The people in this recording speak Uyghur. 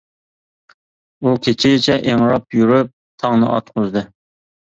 ئۇ كېچىچە ئىڭراپ يۈرۈپ تاڭنى ئاتقۇزدى.